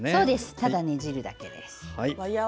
ただねじるだけ。